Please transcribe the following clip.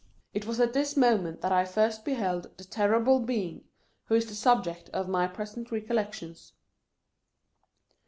It was at this moment that I first beheld the terrible Being, who is the subject of my present recollections.